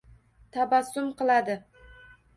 Tabassum qiladi